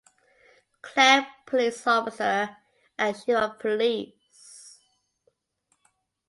Cloud police officer and Chief of Police.